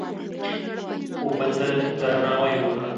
اوبه ته درناوی وکړه.